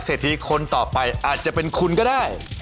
ทีคนต่อไปอาจจะเป็นคุณก็ได้